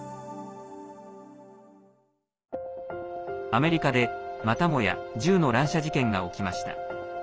アメリカで、またもや銃の乱射事件が起きました。